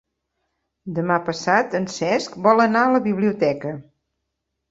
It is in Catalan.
Demà passat en Cesc vol anar a la biblioteca.